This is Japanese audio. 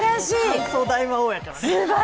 乾燥大魔王やからね。